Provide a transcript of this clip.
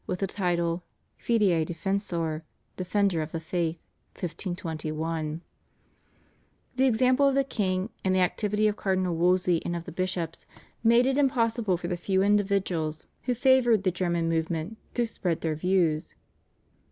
with the title /Fidei Defensor/ (Defender of the Faith, 1521). The example of the king, and the activity of Cardinal Wolsey and of the bishops, made it impossible for the few individuals who favoured the German movement to spread their views.